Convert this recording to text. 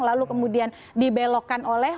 lalu kemudian dibelokkan oleh